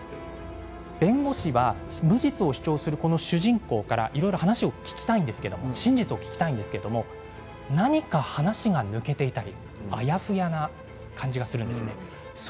弁護士は無実を主張する主人公から話を聞きたいんですけど真実を聞きたいんですけれど何か話が抜けていたりあやふやな感じがするんです。